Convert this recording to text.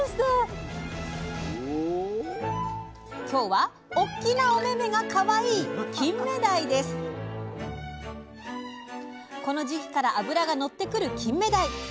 今日は大っきなお目々がかわいいこの時期から脂が乗ってくるキンメダイ。